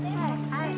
はい。